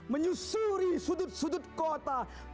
menyusuri sudut sudut kota yang kita miliki